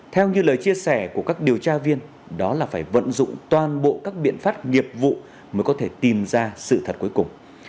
theo như lời chia sẻ của các điều tra viên đó là phải vận dụng toàn bộ các biện pháp nghiệp vụ mới có thể tìm ra sự thật cuối cùng